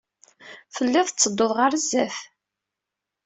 Telliḍ tettedduḍ ɣer sdat.